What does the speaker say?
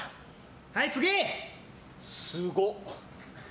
すごっ！